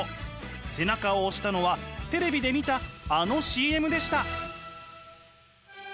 背中を押したのはテレビで見たあのＣＭでした。